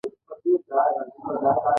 هغه د خپلو بچیانو روزنه کوله.